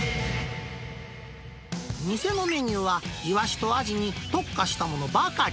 店のメニューは、イワシとアジに特化したものばかり。